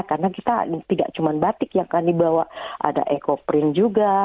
karena kita tidak cuma batik yang akan dibawa ada eco print juga